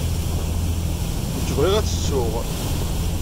Nekk bɣiɣ ad tt-ttuɣ.